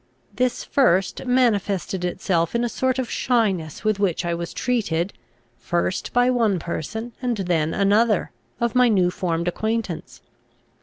This first manifested itself in a sort of shyness with which I was treated, first by one person, and then another, of my new formed acquaintance.